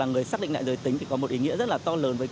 giúp họ tự tin hơn